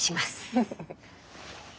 フフフッ。